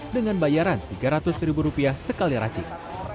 dengan bayaran tiga ratus ribu rupiah sekali racik